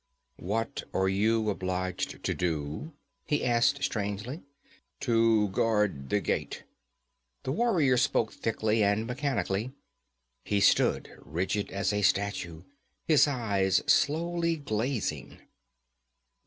'What are you obliged to do?' he asked, strangely. 'To guard the gate!' The warrior spoke thickly and mechanically; he stood rigid as a statue, his eyes slowly glazing.